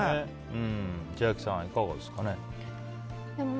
千秋さん、いかがですか。